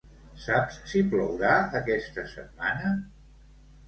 Saps si plourà aquesta setmana?